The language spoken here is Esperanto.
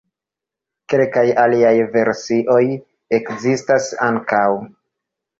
Kelkaj aliaj versioj ekzistas ankaŭ.